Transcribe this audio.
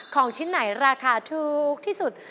ของชิ้นไหนราคาถูกที่สุด